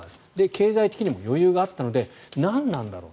経済的にも余裕があったので何なんだろう